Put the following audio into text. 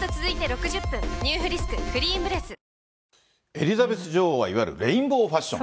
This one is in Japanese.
エリザベス女王はいわゆるレインボーファッション。